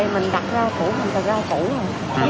mình đặt ra củ mình thật ra củ